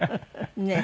ねえ。